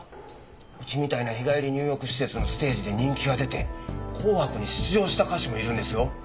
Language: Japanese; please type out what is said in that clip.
うちみたいな日帰り入浴施設のステージで人気が出て『紅白』に出場した歌手もいるんですよ。